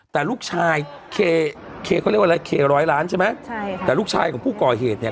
แต่ลูกชายเคเขาเรียกว่าอะไรเคร้อยล้านใช่ไหมใช่แต่ลูกชายของผู้ก่อเหตุเนี่ย